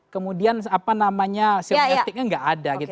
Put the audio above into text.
kemudian apa namanya signetiknya gak ada gitu